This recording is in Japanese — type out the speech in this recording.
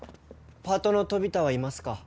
パートの飛田はいますか？